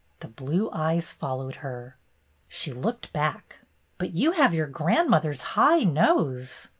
The blue eyes followed her. She looked back. " But you have your grandmother's high nose!"